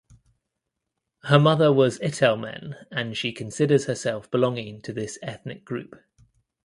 Her mother was Itelmen and she considers herself belonging to this ethnic group.